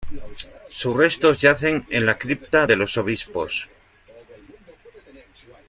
Sus restos yacen en la cripta de los Obispos.